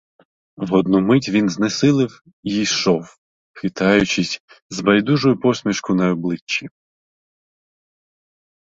В одну мить він знесилів і йшов, хитаючись, з байдужою посмішкою на обличчі.